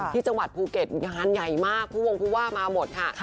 ที่จังหวัดภูเก็ตงานใหญ่มากผู้วงผู้ว่ามาหมดค่ะ